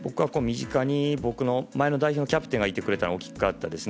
僕は、前の代表のキャプテンがいてくれたのが大きかったですね。